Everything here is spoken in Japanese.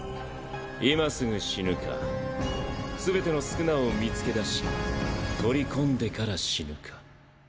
今すぐ死ぬか全ての宿儺を見つけ出し取り込んでから死ぬか。